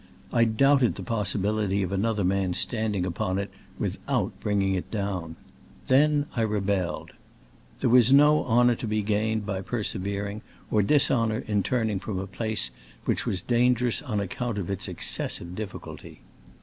I doubted the possibility of another man standing upon it without bringing it downi Then I rebelled. There was no honor to be gained by persevering, or dishonor in turning from a place which was dangerous on account of its exces sive difficulty.